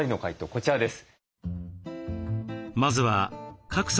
こちらです。